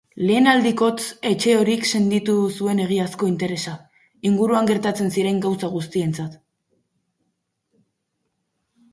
Lehen aldikotz Etxehorik senditu zuen egiazko interesa, inguruan gertatzen ziren gauza guztientzat.